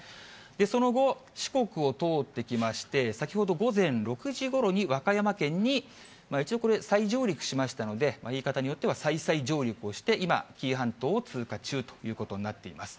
その後、四国を通ってきまして、先ほど午前６時ごろに和歌山県に、一応これ、再上陸しましたので、言い方によっては、再々上陸をして、今、紀伊半島を通過中ということになっています。